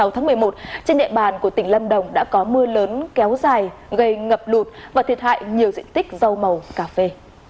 hai mươi tháng một mươi một trên địa bàn của tỉnh lâm đồng đã có mưa lớn kéo dài gây ngập lụt và thiệt hại nhiều diện tích rau màu cà phê